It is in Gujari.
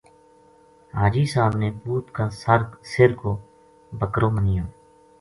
حاجی صاحب نے پُوت کا سر کو ایک بکرو مَنیو